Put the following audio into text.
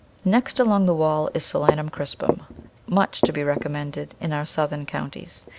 ] Next along the wall is Solanum crispum, much to be recommended in our southern counties.